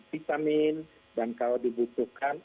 vitamin dan kalau dibutuhkan